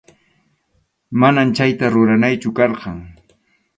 Manam chayta ruranaychu karqan.